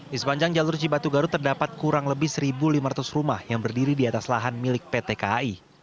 di sepanjang jalur cibatu garut terdapat kurang lebih satu lima ratus rumah yang berdiri di atas lahan milik pt kai